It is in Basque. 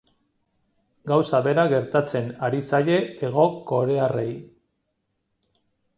Gauza bera gertatzen ari zaie hegokorearrei.